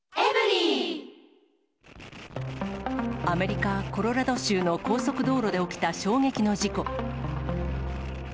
アメリカ・コロラド州の高速道路で起きた衝撃の事故。